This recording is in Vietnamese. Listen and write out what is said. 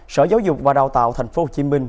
sở giáo dục và đào tạo thành phố hồ chí minh